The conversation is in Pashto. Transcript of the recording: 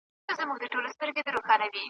څوک به لیکي پر کیږدیو ترانې د دنګو ښکلیو .